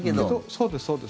そうです、そうです。